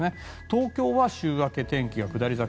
東京は週明け、天気が下り坂。